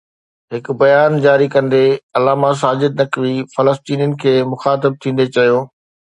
هڪ بيان جاري ڪندي علامه ساجد نقوي فلسطينين کي مخاطب ٿيندي چيو